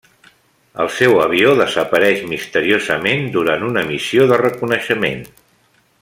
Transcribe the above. El seu avió desapareix misteriosament durant una missió de reconeixement.